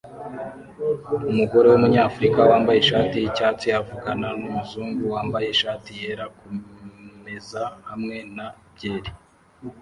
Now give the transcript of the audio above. Umugore wumunyafurika wambaye ishati yicyatsi avugana numuzungu wambaye ishati yera kumeza hamwe na byeri